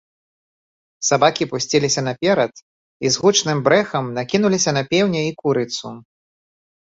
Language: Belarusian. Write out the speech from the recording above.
Сабакі пусціліся наперад і з гучным брэхам накінуліся на пеўня і курыцу.